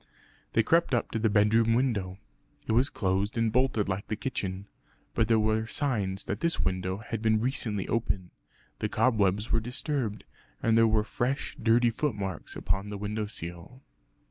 They crept up to the bedroom window. It was closed and bolted like the kitchen. But there were signs that this window had been recently open; the cobwebs were disturbed, and there were fresh dirty footmarks upon the window sill.